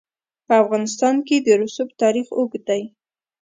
په افغانستان کې د رسوب تاریخ اوږد دی.